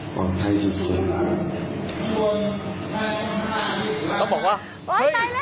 ต้องบอกว่า